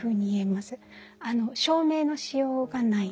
証明のしようがない。